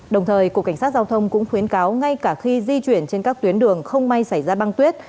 đồng thời cục cảnh sát giao thông cũng khuyến cáo ngay cả khi di chuyển trên các tuyến đường không may xảy ra băng tuyết